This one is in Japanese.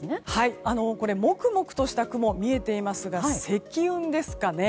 もくもくとした雲が見えていますが積雲ですかね。